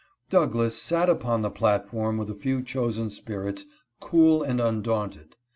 Douglass sat upon the platform with a few chosen spirits, cool and undaunted.